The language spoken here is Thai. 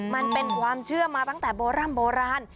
มันเป็นความเชื่อมาตั้งแต่โบร่ำโบราณ